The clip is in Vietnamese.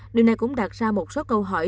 điều này cũng đặt ra một số câu hỏi